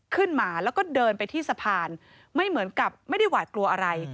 หมาแล้วก็เดินไปที่สะพานไม่เหมือนกับไม่ได้หวาดกลัวอะไร